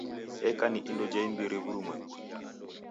Eka ni indo ja imbiri w'urumwengunyi.